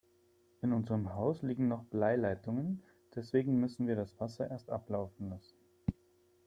In unserem Haus liegen noch Bleileitungen, deswegen müssen wir das Wasser erst ablaufen lassen.